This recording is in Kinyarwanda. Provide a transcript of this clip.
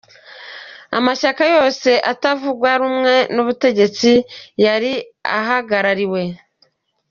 Amashyaka yose atavuga rumwe n’ubutegetsi yari ahagarariwe.